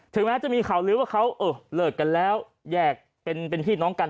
แม้จะมีข่าวลื้อว่าเขาเลิกกันแล้วแยกเป็นพี่น้องกัน